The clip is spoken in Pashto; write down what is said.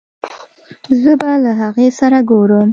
زه به له هغې سره ګورم